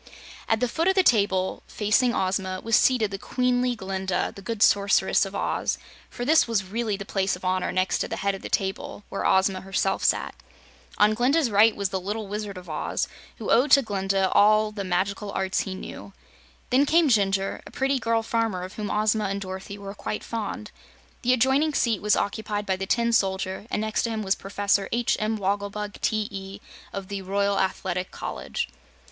At the foot of the table, facing Ozma, was seated the queenly Glinda, the good Sorceress of Oz, for this was really the place of honor next to the head of the table where Ozma herself sat. On Glinda's right was the Little Wizard of Oz, who owed to Glinda all of the magical arts he knew. Then came Jinjur, a pretty girl farmer of whom Ozma and Dorothy were quite fond. The adjoining seat was occupied by the Tin Soldier, and next to him was Professor H. M. Wogglebug, T.E., of the Royal Athletic College.